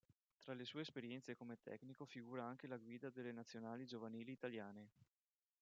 Tra le sue esperienze come tecnico figura anche la guida delle nazionali giovanili italiane.